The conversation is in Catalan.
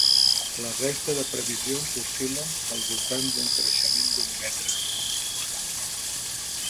La resta de previsions oscil·len al voltant d’un creixement d’un metre.